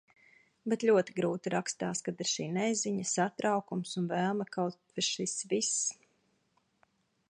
Bet ļoti grūti rakstās, kad ir šī neziņa, satraukums un vēlme kaut šis viss...